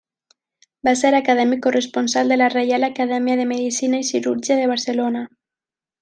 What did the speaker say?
Va ser acadèmic corresponsal de la Reial Acadèmia de Medicina i Cirurgia de Barcelona.